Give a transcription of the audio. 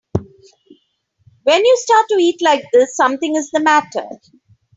When you start to eat like this something is the matter.